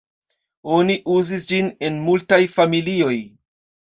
Oni uzis ĝin en multaj familioj.